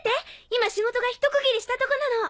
今仕事がひと区切りしたとこなの。